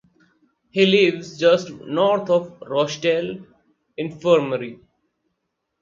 He lives just north of Rochdale Infirmary.